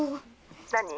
☎何？